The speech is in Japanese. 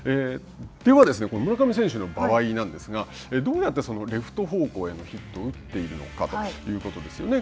では村上選手の場合なんですが、どうやってレフト方向へのヒットを打っているのかということですよね。